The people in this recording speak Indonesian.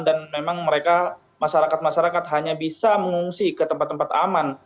dan memang mereka masyarakat masyarakat hanya bisa mengungsi ke tempat tempat aman